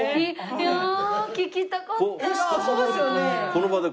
いや聴きたかった。